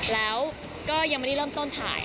แล้วก็ยังไม่ได้เริ่มต้นถ่าย